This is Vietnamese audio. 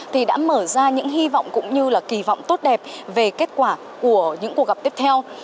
thì đã mở ra những hy vọng cũng như là kỳ vọng tốt đẹp về kết quả của những cuộc gặp tiếp theo